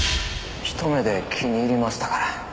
一目で気に入りましたから。